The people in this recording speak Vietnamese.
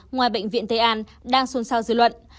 ngoài bệnh viện tây an đang xuân sao dư luận